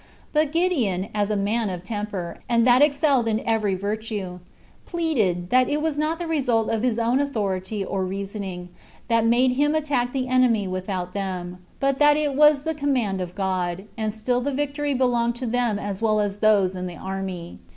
But Gideon, as a man of temper, and that excelled in every virtue, pleaded, that it was not the result of his own authority or reasoning, that made him attack the enemy without them; but that it was the command of God, and still the victory belonged to them as well as those in the army.